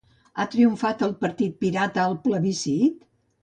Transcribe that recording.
Ha triomfat el Partit Pirata al plebiscit?